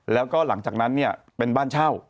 แล้วก็หลังจากนั้นเนี่ยเป็นบ้านเช่า